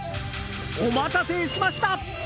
お待たせしました。